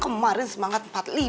kemarin semangat empat puluh lima